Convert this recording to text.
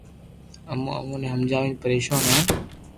امو اوني ھمجاوين پريݾون ھين